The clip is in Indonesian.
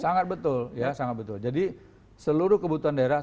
sangat betul ya sangat betul jadi seluruh kebutuhan daerah